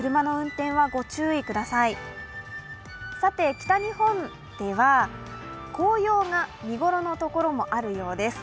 北日本では紅葉が見頃の所もあるようです。